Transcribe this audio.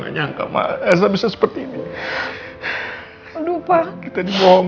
akan membawa mereka pergi semua